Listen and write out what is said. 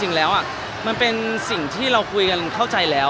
ต้องเราเป็นสิ่งที่เราคุยกันเราเข้าใจแล้ว